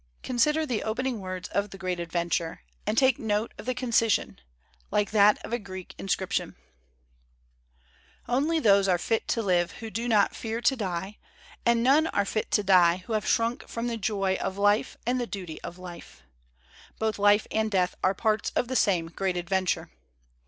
Consider the opening words of the 1 Great Adventure' and take note of the con cision, like that of a Greek inscription: 236 THEODORE ROOSEVELT AS A MAN OF LETTERS Only those are fit to live who do not fear to die, and none are fit to die who have shrunk from the joy of life and the duty of life. Both life and death are parts of the same Great Adventure.